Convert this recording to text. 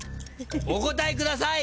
お答えください！